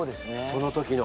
その時の。